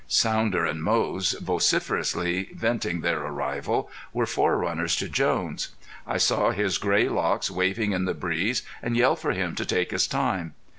Sounder and Moze, vociferously venting their arrival, were forerunners to Jones. I saw his gray locks waving in the breeze, and yelled for him to take his time.